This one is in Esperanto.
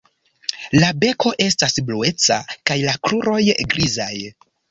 La beko estas blueca kaj la kruroj grizaj.